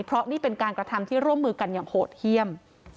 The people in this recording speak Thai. เพราะนี่เป็นการกระทำที่ร่วมมือกันอย่างโหดเยี่ยม